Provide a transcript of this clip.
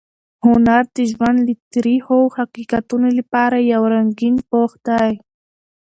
هنر د ژوند د تریخو حقیقتونو لپاره یو رنګین پوښ دی.